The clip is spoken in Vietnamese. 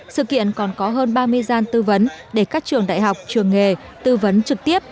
sự kiện còn có hơn ba mươi gian tư vấn để các trường đại học trường nghề tư vấn trực tiếp